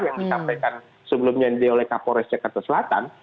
yang disampaikan sebelumnya oleh kapolres jakarta selatan